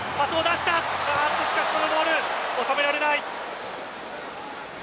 しかしこのボール収められない。